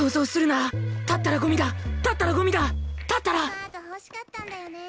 スカート欲しかったんだよね。